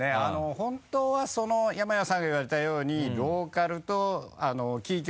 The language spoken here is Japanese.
本当は山谷さんが言われたようにローカルとキー局。